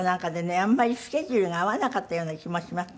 あんまりスケジュールが合わなかったような気もしますね。